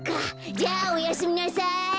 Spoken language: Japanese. じゃあおやすみなさい。